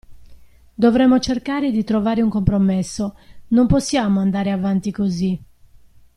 Dovremmo cercare di trovare un compromesso, non possiamo andare avanti così!